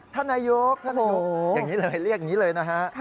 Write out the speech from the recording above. ท่านนายกอย่างนี้เลยเรียกอย่างนี้เลยนะฮะ